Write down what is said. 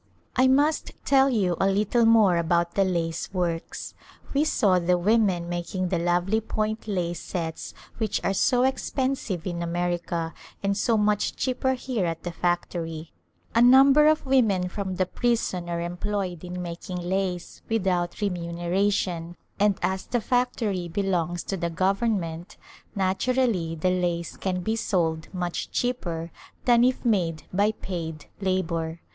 I must tell you a little more about the lace works. We saw the women making the lovely point lace sets which are so expensive in America and so much cheaper here at the factory. A number of women from the prison are employed in making lace, without A Summer Resort remuneration, and as the factory belongs to the government naturally the lace can be sold much cheaper than if made by paid labor.